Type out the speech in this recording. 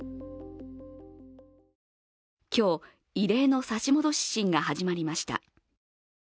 今日、異例の差し戻し審が始まりました。